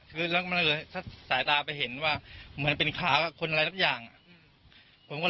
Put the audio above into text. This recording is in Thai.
เก่าว่าถึงย่าหนึ่งจากแรงชั่น